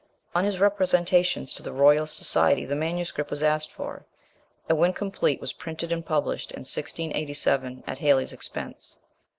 On his representations to the Royal Society the manuscript was asked for, and when complete was printed and published in 1687 at Halley's expense.